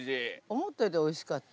思ったよりおいしかった。